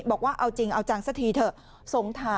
บอกว่าเอาจริงเอาจังสักทีเถอะ